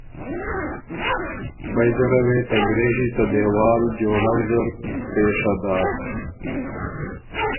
فئ زره وې ته درېشی ته دېوال جوړؤ زر پېشه داک